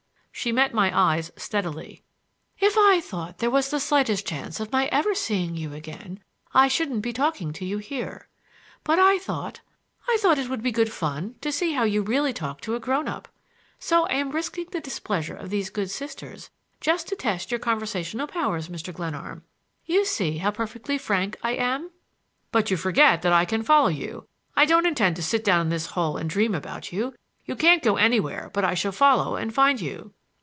She met my eyes steadily. "If I thought there was the slightest chance of my ever seeing you again I shouldn't be talking to you here. But I thought, I thought it would be good fun to see how you really talked to a grown up. So I am risking the displeasure of these good Sisters just to test your conversational powers, Mr. Glenarm. You see how perfectly frank I am." "But you forget that I can follow you; I don't intend to sit down in this hole and dream about you. You can't go anywhere but I shall follow and find you."